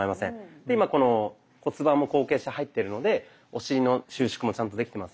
で今この骨盤も後傾して入ってるのでお尻の収縮もちゃんとできてます。